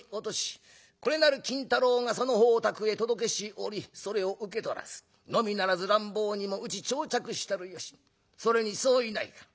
これなる金太郎がその方宅へ届けし折それを受け取らずのみならず乱暴にも打ち打擲したるよしそれに相違ないか？